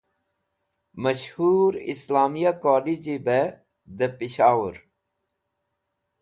Mash hur Islamiya College i be de Peshowur